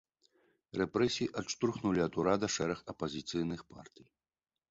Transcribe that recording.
Рэпрэсіі адштурхнулі ад урада шэраг апазіцыйных партый.